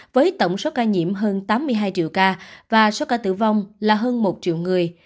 với tổng số ca nhiễm hơn tám mươi hai triệu ca và số ca tử vong là hơn một triệu người